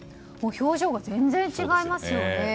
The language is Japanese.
表情が全然違いますよね。